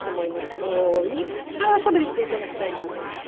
もういっぱいおしゃべりしていただきたいと思いますね。